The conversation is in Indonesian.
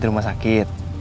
dari rumah sakit